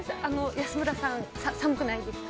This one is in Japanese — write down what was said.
安村さん、寒くないですか？